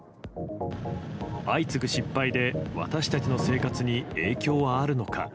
相次ぐ失敗で私たちの生活に影響はあるのか。